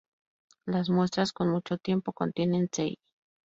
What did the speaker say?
Las muestras con mucho tiempo contienen Cl.